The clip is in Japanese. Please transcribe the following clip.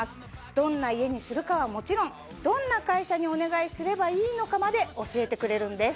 どんな家にするかはもちろんどんな会社にお願いすればいいのかまで教えてくれるんです。